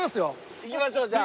行きましょうじゃあ。